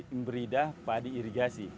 imbrida padi irigasi